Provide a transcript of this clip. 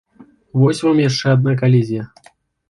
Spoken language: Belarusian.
Вось вам яшчэ адна калізія.